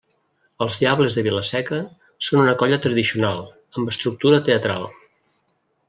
Els Diables de Vila-seca són una colla tradicional, amb estructura teatral.